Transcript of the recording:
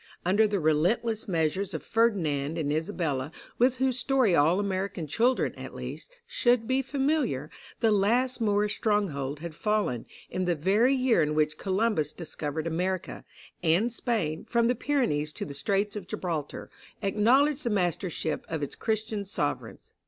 Under the relentless measures of Ferdinand and Isabella, with whose story all American children, at least, should be familiar, the last Moorish stronghold had fallen, in the very year in which Columbus discovered America, and Spain, from the Pyrenees to the Straits of Gibraltar, acknowledged the mastership of its Christian sovereigns.